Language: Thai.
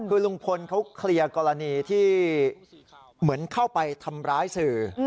คือลุงพลเขาเคลียร์กรณีที่เหมือนเข้าไปทำร้ายสื่อ